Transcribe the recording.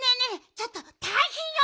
ちょっとたいへんよ。